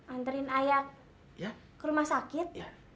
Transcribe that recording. anterin ayah ke rumah sakit